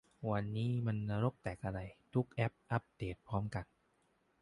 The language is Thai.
วันนี้วันนรกแตกอะไร ทุกแอปอัปเดตพร้อมกัน !